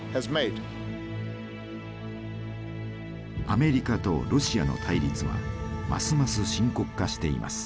アメリカとロシアの対立はますます深刻化しています。